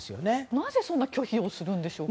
なぜそんな拒否をするんでしょうか。